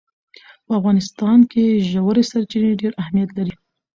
په افغانستان کې ژورې سرچینې ډېر اهمیت لري.